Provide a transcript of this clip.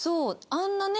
あんなね。